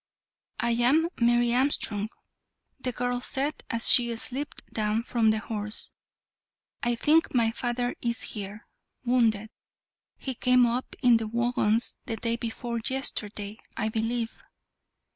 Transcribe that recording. "I am Mary Armstrong," the girl said as she slipped down from the horse. "I think my father is here, wounded. He came up in the waggons the day before yesterday, I believe."